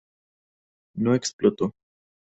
No explotó.